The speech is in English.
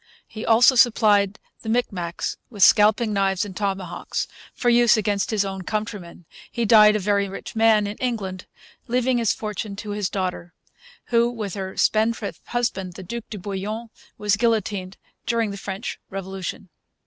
He also supplied the Micmacs with scalping knives and tomahawks for use against his own countrymen. He died, a very rich man, in England, leaving his fortune to his daughter, who, with her spendthrift husband, the Duc de Bouillon, was guillotined during the French Revolution.